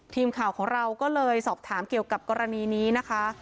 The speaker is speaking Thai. ทีมข่าวของเราก็เลยสอบถามเกี่ยวกับกรณีนี้นะคะ